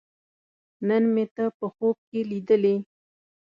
نن مې ته په خوب کې لیدلې